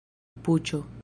puĉo